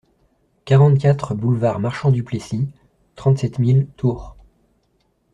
quarante-quatre boulevard Marchant Duplessis, trente-sept mille Tours